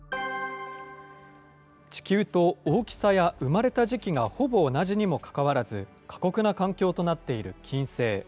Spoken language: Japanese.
地球と大きさや生まれた時期がほぼ同じにもかかわらず、過酷な環境となっている金星。